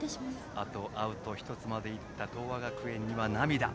あとアウト１つまでいった東亜学園は涙。